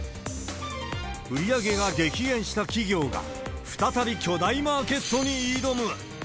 売り上げが激減した企業が、再び巨大マーケットに挑む。